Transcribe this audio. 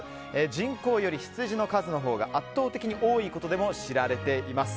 人口より羊の数のほうが圧倒的に多いことでも知られています。